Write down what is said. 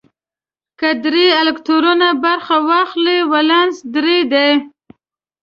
که درې الکترونه برخه واخلي ولانس درې دی.